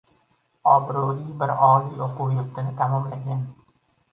Obroʻli bir oliy oʻquv yurtini tamomlagan